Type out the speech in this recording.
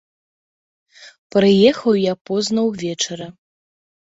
Прыехаў я позна ўвечары.